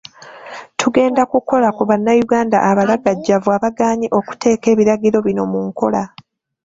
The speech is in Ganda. Tugenda kukola ku bannayuganda abalagajjavu abagaanye okuteeka ebiragiro bino mu nkola.